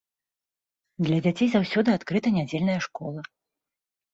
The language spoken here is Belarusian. Для дзяцей заўсёды адкрыта нядзельная школа.